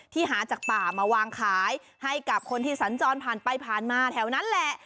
หาจากป่ามาวางขายให้กับคนที่สัญจรผ่านไปผ่านมาแถวนั้นแหละ